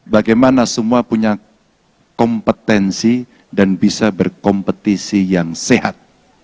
bagaimana semua punya kompetensi dan bisa berkompetisi yang sehat